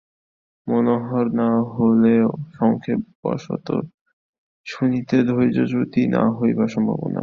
মনোহর না হইলেও সংক্ষেপবশত শুনিতে ধৈর্যচ্যুতি না হইবার সম্ভাবনা।